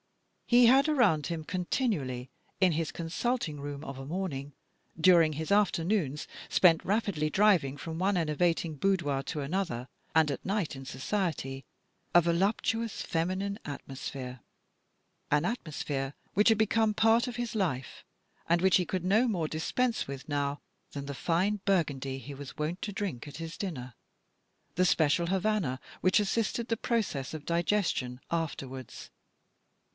He had around him continually in his con sulting room of a morning, during his after noons spent rapidly driving from one ener vating boudoir to another, and at night in society, a voluptuous feminine atmosphere, an atmosphere which had become part of his life, and which he could no more dispense with now than the fine Burgundy he was wont to drink at his dinner, the special Havana which assisted the process of digestion afterwards.